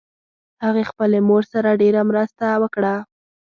هغې خپلې مور سره ډېر مرسته وکړه